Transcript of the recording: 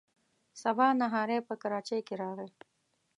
سبا نهاری په کراچۍ کې راغی.